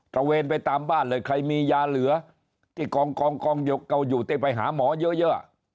ระเวนไปตามบ้านเลยใครมียาเหลือที่กองเก่าอยู่ที่ไปหาหมอเยอะ